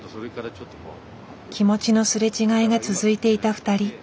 気持ちのすれ違いが続いていた２人。